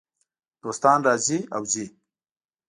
دوستان راځي او ځي .